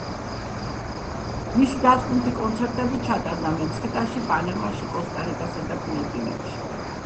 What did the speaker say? მისი დასკვნითი კონცერტები ჩატარდა მექსიკაში, პანამაში, კოსტა-რიკასა და ფილიპინებში.